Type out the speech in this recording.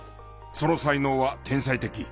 その才能は天才的。